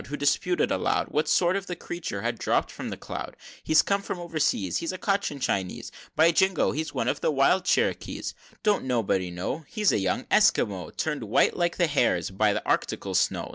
Who disputed aloud What sort of a creature had dropp'd from the cloud "He's come from o'er seas, He's a Cochin Chinese By jingo! he's one of the wild Cherokees!" XXV. "Don't nobody know?" "He's a young Esquimaux, Turn'd white like the hares by the Arctical snow."